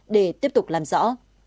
để tiếp tục làm rõ